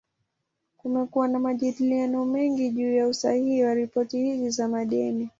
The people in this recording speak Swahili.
Kumekuwa na majadiliano mengi juu ya usahihi wa ripoti hizi za madeni.